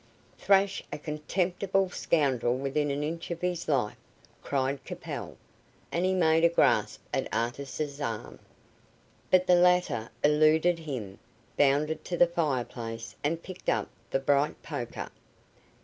"Thrash a contemptible scoundrel within an inch of his life," cried Capel; and he made a grasp at Artis's arm. But the latter eluded him, bounded to the fire place, and picked up the bright poker.